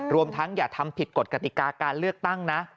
รวมทั้งอย่าทำผิดกฎกติกาการเลือกตั้งนะ